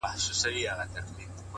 ذهن د تمرکز له لارې قوي کېږي،